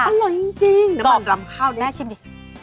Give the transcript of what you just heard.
น้ำมันลำข้าวนิดหนึ่งชิมดิน้ำมันลำข้าวนิดหนึ่งชิมดิ